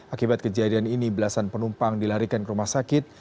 akibat kejadian ini belasan penumpang dilarikan ke rumah sakit